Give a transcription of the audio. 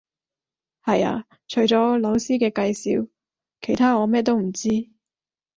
係呀，除咗老師嘅介紹，其他我乜都唔知